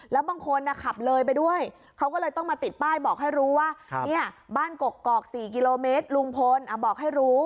แล้วบางคนขับเลยไปด้วยเขาก็เลยต้องมาติดป้ายบอกให้รู้ว่าเนี่ยบ้านกกอก๔กิโลเมตรลุงพลบอกให้รู้